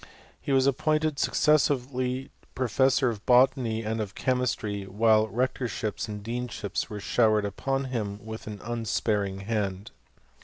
He was appointed successively professor of botany and of chemistry, while rectorships and deanships were show ered upon him with an unsparing hand.